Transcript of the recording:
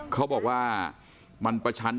เขาบอกว่ามันประชัน